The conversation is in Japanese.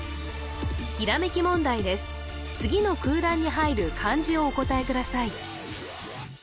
次の空欄に入る漢字をお答えください